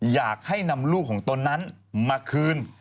อยากให้นำลูกของตนนั้นมาคืน